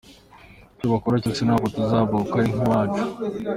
Icyo bakora cyose ntabwo tuzahava kuko aha ni iwacu".